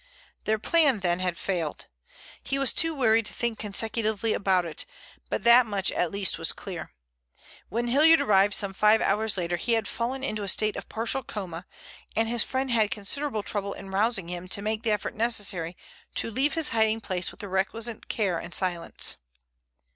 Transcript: Their plan then had failed. He was too weary to think consecutively about it, but that much at least was clear. When Hilliard arrived some five hours later, he had fallen into a state of partial coma, and his friend had considerable trouble in rousing him to make the effort necessary to leave his hiding place with the requisite care and silence.